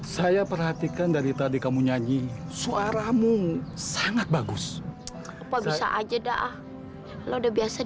saya perhatikan dari tadi kamu nyanyi suaramu sangat bagus apa bisa aja daah lo udah biasa